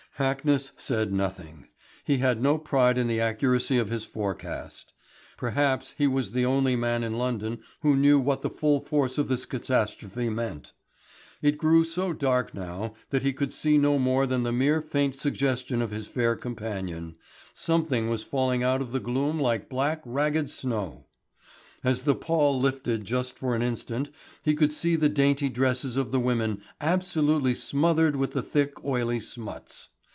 Hackness said nothing. He had no pride in the accuracy of his forecast. Perhaps he was the only man in London who knew what the full force of this catastrophe meant. It grew so dark now that he could see no more than the mere faint suggestion of his fair companion, something was falling out of the gloom like black ragged snow. As the pall lifted just for an instant he could see the dainty dresses of the women absolutely smothered with the thick oily smuts.